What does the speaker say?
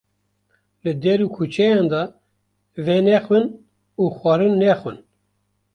Li der û kuçeyan de venexwin û xwarin nexwin